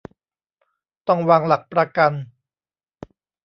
ต้องวางหลักประกัน